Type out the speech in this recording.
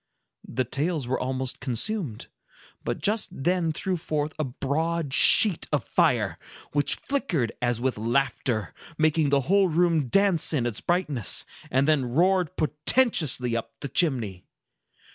The tales were almost consumed, but just then threw forth a broad sheet of fire, which flickered as with laughter, making the whole room dance in its brightness, and then roared portentously up the chimney.